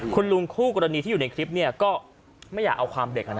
คุณลุงคู่กรณีที่อยู่ในคลิปก็ไม่อยากเอาความเด็ก